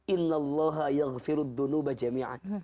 inna allaha yaghfiruddunu bajami'an